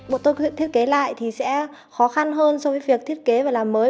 bọn tôi thiết kế lại thì sẽ khó khăn hơn so với việc thiết kế và làm mới